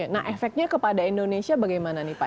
nah efeknya kepada indonesia bagaimana nih pak